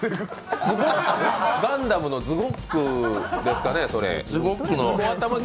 ガンダムのズゴックですかね。